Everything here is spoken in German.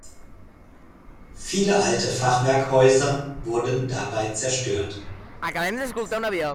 Viele alte Fachwerkhäuser wurden dabei zerstört.